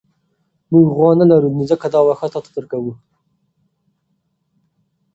موږ غوا نه لرو نو ځکه دا واښه تاته درکوو.